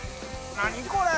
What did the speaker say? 何これ？